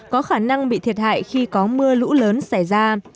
có khả năng bị thiệt hại khi có mưa lũ lớn xảy ra